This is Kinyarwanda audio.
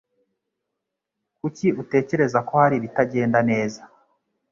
Kuki utekereza ko hari ibitagenda neza?